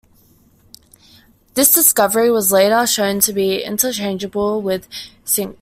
This discovery was later shown to be interchangeable with "sinc".